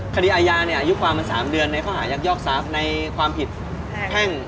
คดีอาญาเนี่ยอายุความเป็น๓เดือนในข้อหายักยอกทรัพย์ในความผิดแพ่ง